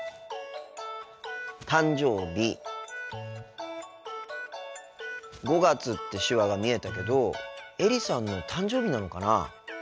「誕生日」「５月」って手話が見えたけどエリさんの誕生日なのかな？